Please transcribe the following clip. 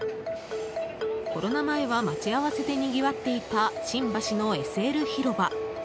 コロナ前は待ち合わせでにぎわっていた新橋のＳＬ広場。